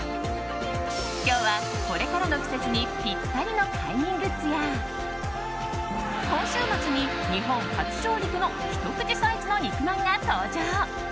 今日はこれからの季節にぴったりの快眠グッズや今週末に日本初上陸のひと口サイズの肉まんが登場。